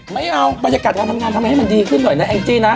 ไม่เอาบรรยากาศการทำงานทำไมให้มันดีขึ้นหน่อยนะแองจี้นะ